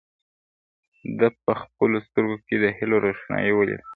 ده په خپلو سترګو کې د هیلو روښنايي ولیده.